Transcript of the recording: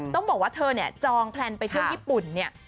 ต้องบอกว่าเธอเนี่ยจองแพลนไปเที่ยวญี่ปุ่นเนี่ย